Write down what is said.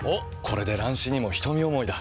これで乱視にも瞳思いだ。